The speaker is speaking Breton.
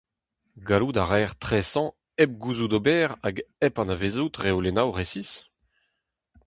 Gallout a raer tresañ hep gouzout ober hag hep anavezout reolennoù resis.